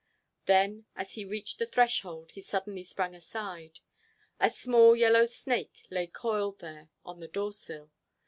Then, as he reached the threshold, he suddenly sprang aside. A small yellow snake lay coiled there on the door sill.